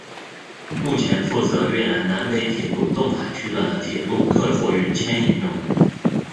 目前负责越南南北铁路洞海区段的铁路客货运牵引任务。